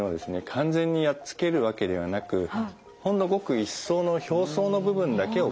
完全にやっつけるわけではなくほんのごく一層の表層の部分だけを殺しているんですね。